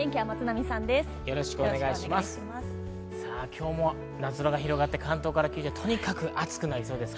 今日も青空が広がって関東から九州、とにかく暑くなりそうです。